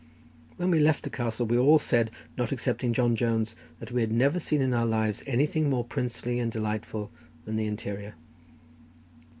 When we left the castle we all said, not excepting John Jones, that we had never seen in our lives anything more princely and delightful than the interior.